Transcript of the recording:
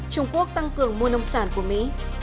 trung quốc tăng cường mua nông sản của mỹ